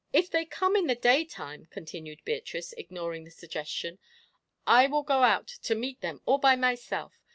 "If they come in the daytime," continued Beatrice, ignoring the suggestion, "I will go out to meet them all by myself.